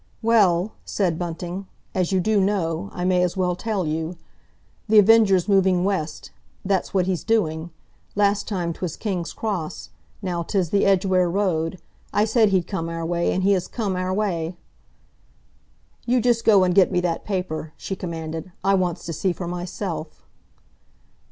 "Well," said Bunting, "as you do know, I may as well tell you. The Avenger's moving West—that's what he's doing. Last time 'twas King's Cross—now 'tis the Edgware Road. I said he'd come our way, and he has come our way!" "You just go and get me that paper," she commanded. "I wants to see for myself."